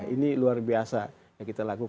ini luar biasa yang kita lakukan